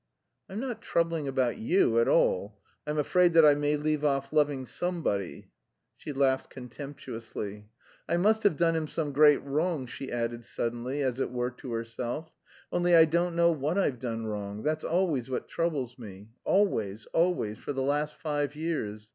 "I'm not troubling about you at all. I'm afraid that I may leave off loving somebody." She laughed contemptuously. "I must have done him some great wrong," she added suddenly, as it were to herself, "only I don't know what I've done wrong; that's always what troubles me. Always, always, for the last five years.